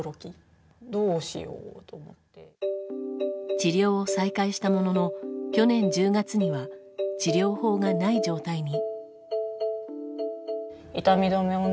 治療を再開したものの去年１０月には治療法がない状態に。